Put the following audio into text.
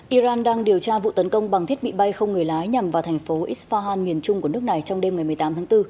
iran đang điều tra vụ tấn công bằng thiết bị bay không người lái nhằm vào thành phố isfahan miền trung của nước này trong đêm ngày một mươi tám tháng bốn